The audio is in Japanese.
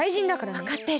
わかってる。